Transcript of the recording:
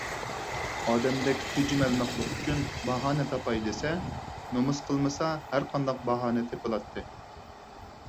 ئادەمدەك تىجىمەل مەخلۇق ئۈچۈن باھانە تاپاي دېسە، نومۇس قىلمىسا ھەرقانداق باھانە تېپىلاتتى.